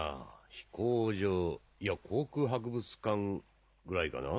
飛行場いや航空博物館ぐらいかな？